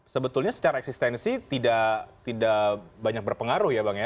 sebetulnya secara eksistensi tidak banyak berpengaruh ya bang ya